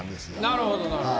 なるほどなるほど。